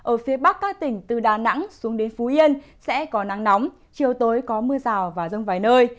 ở phía bắc các tỉnh từ đà nẵng xuống đến phú yên sẽ có nắng nóng chiều tối có mưa rào và rông vài nơi